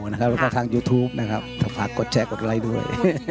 มีทางยูทูปนะครับฝากกดแชร์กดไลค์ด้วย